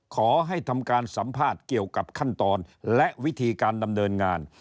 ขอให้ทำการสัมภาษณ์เกี่ยวกับขั้นตอนและวิธีการดำเนินงาน